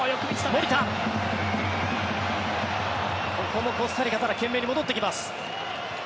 ここもコスタリカ懸命に戻ってきます。